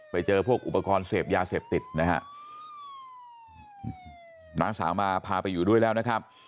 ไปเจอพวกอุปกรณ์เสพยาเสพติดนะฮะน้าสาวมาพาไปอยู่ด้วยแล้วนะครับ